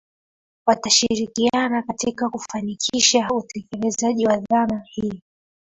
Watashirikiana katika kufanikisha utekelezaji wa dhana hii